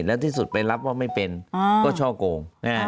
แล้วที่สุดไปรับว่าไม่เป็นก็ช่อโกง